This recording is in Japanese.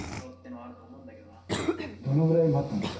どのぐらい待ったんですか？